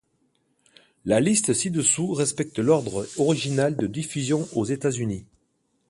La liste ci-dessous respecte l'ordre original de diffusion aux États-Unis.